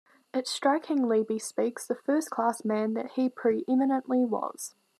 It strikingly bespeaks the first-class man that he pre-eminently was.